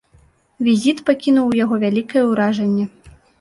Візіт пакінуў у яго вялікае ўражанне.